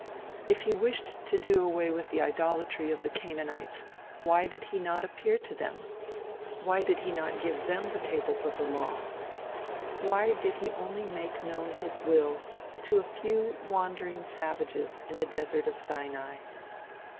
If he wished to do away with the idolatry of the Canaanites, why did he not appear to them? Why did he not give them the tables of the law? Why did he only make known his will to a few wandering savages in the desert of Sinai?